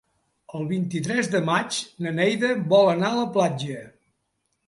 El vint-i-tres de maig na Neida vol anar a la platja.